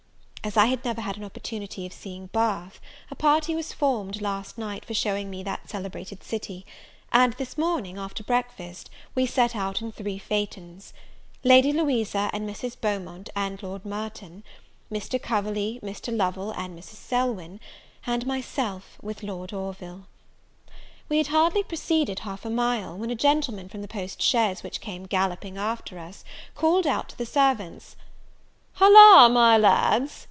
As I had never had an opportunity of seeing Bath, a party was formed last night for showing me that celebrated city; and this morning, after breakfast, we set out in three phaetons. Lady Louisa and Mrs. Beaumont with Lord Merton; Mr. Coverley, Mr. Lovel, and Mrs. Selwyn; and myself with Lord Orville. We had hardly proceeded half a mile, when a gentleman from the post chaise which came gallopping after us, called out to the servants, "Holla, my lads!